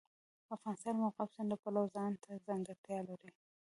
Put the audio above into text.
افغانستان د مورغاب سیند له پلوه ځانته ځانګړتیا لري.